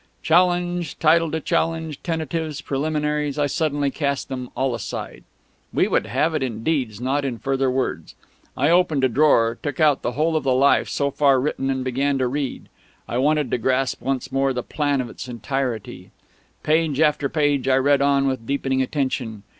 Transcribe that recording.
Challenge, title to challenge, tentatives, preliminaries, I suddenly cast them all aside. We would have it in deeds, not in further words. I opened a drawer, took out the whole of the "Life" so far written, and began to read. I wanted to grasp once more the plan of it in its entirety. Page after page, I read on, with deepening attention.